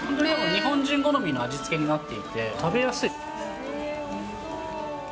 日本人好みの味付けになっていて食べやすい。